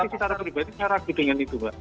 tetapi secara pribadi saya ragu dengan itu